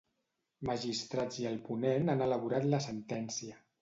Magistrats i el ponent han elaborat la sentència.